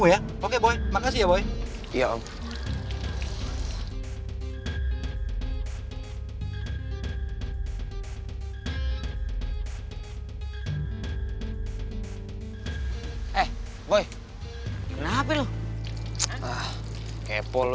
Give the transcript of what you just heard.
udah gue mau cabut dulu